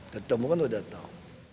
ketua umum kan udah tahu